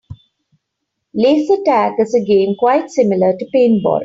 Laser tag is a game quite similar to paintball.